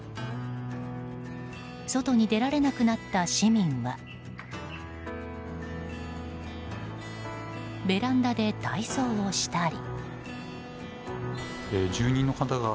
外に出られなくなった市民はベランダで体操をしたり。